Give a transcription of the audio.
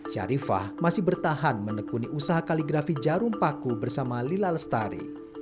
syarifah masih bertahan menekuni usaha kaligrafi jarum paku bersama lila lestari